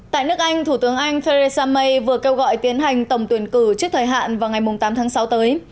tại nước anh thủ tướng anh theresa may vừa kêu gọi tiến hành tổng tuyển cử trước thời hạn vào ngày tám tháng sáu tới